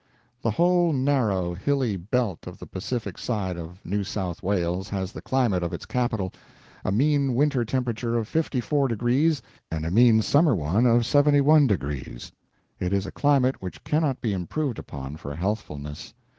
The whole narrow, hilly belt of the Pacific side of New South Wales has the climate of its capital a mean winter temperature of 54 deg. and a mean summer one of 71 deg. It is a climate which cannot be improved upon for healthfulness.